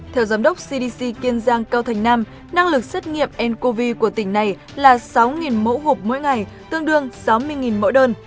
theo giám đốc cdc kiên giang cao thành nam năng lực xét nghiệm ncov của tỉnh này là sáu mẫu hộp mỗi ngày tương đương sáu mươi mẫu đơn